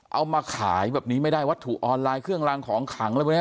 เอามาขายแบบนี้ไม่ได้วัตถุออนไลน์เครื่องรางของขังอะไรพวกนี้